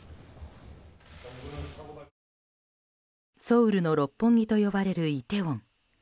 ソウルの六本木と呼ばれるイテウォン。